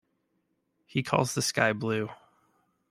He calls the sky blue.